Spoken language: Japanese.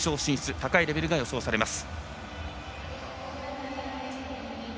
高いレベルが予想されます。